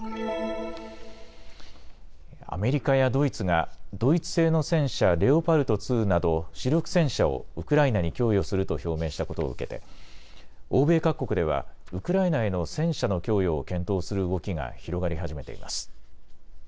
アメリカやドイツがドイツ製の戦車、レオパルト２など主力戦車をウクライナに供与すると表明したことを受けて欧米各国ではウクライナへの戦車の供与を検討する動きが広がり始めています。